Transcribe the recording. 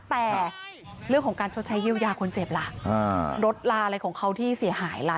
แต่เรื่องของการชดใช้เยียวยาคนเจ็บล่ะรถลาอะไรของเขาที่เสียหายล่ะ